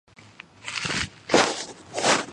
ირლანდიის რესპუბლიკის სახელმწიფო ენა.